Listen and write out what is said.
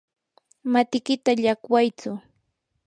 matikita llaqwaytsu.